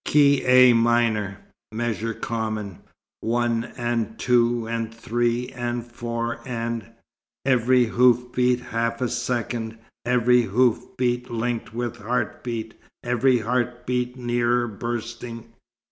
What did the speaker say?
"Key A minor, measure common, One and two and three and four and Every hoof beat half a second Every hoof beat linked with heart beat, Every heart beat nearer bursting.